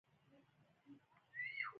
ما چې د ده حال ولید امکانات یې محدود دي.